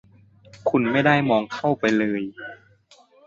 คุณไม่ได้มองเข้าไปเลย